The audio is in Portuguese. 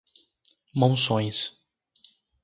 Monções